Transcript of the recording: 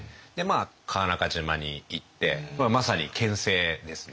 川中島に行ってまさにけん制ですね。